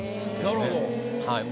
なるほど。